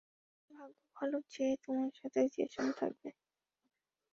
আর ভাগ্য ভালো যে, তোমার সাথে জেসন থাকবে।